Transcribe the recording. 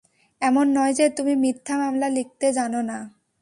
এমন নয় যে তুমি মিথ্যা মামলা লিখতে জানো না!